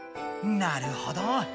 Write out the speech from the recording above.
なるほど。